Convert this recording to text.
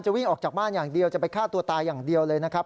วิ่งออกจากบ้านอย่างเดียวจะไปฆ่าตัวตายอย่างเดียวเลยนะครับ